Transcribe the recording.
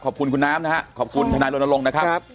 ขอบคุณคุณน้ำนะฮะขอบคุณทนายรณรงค์นะครับ